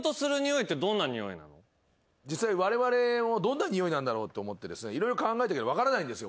実際われわれもどんなにおいだろうと思って色々考えたけど分からないんですよ。